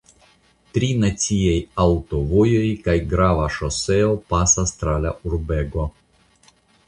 Tri naciaj aŭtovojoj kaj grava ŝoseo pasas tra la urbego.